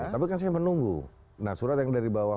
tapi kan saya menunggu nah surat yang dari bawah